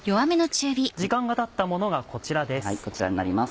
時間がたったものがこちらです。